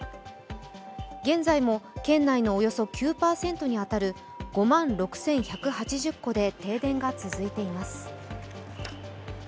現在も県内のおよそ９％に当たる５万６１８０戸で停電が続いています。